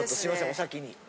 お先に。